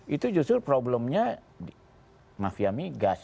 itu justru problemnya mafia migas